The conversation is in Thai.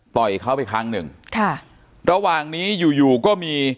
ต่อยเขาไปครั้งหนึ่งค่ะระหว่างนี้อยู่อยู่ก็มี